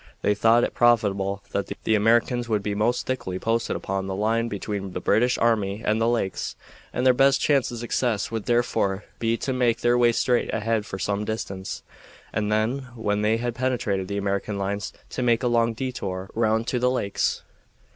They thought it probable that the Americans would be most thickly posted upon the line between the British army and the lakes, and their best chance of success would therefore be to make their way straight ahead for some distance, and then, when they had penetrated the American lines, to make a long détour round to the lakes.